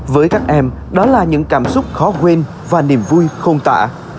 với các em đó là những cảm xúc khó quên và niềm vui không tả